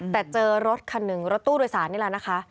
แต่เจอรถคันหนึ่งรถตู้โดยสารนี่แหละนะคะ